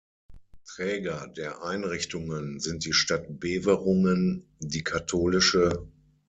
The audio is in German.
Träger der Einrichtungen sind die Stadt Beverungen, die kath.